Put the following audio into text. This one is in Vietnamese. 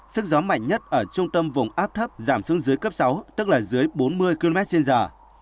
sức gió mạnh nhất ở trung tâm vùng áp thấp giảm xuống dưới cấp sáu tức là dưới bốn mươi km trên giờ